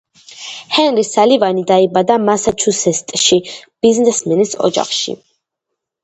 ჰენრი სალივანი დაიბადა მასაჩუსეტსში, ბიზნესმენის ოჯახში.